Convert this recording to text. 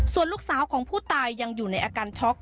ส่วนลูกสาวของผู้ตายยังอยู่ในอาการช็อก